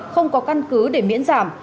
không có căn cứ để miễn giảm